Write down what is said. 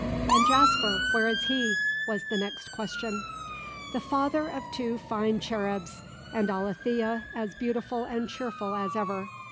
"And Jasper, where is he?" was the next question. "The father of two fine cherubs, and Alethea as beautiful and cheerful as ever.